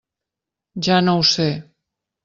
Ja no ho sé.